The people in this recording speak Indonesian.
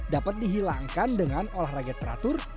dapat dihilangkan dengan olahraga teratur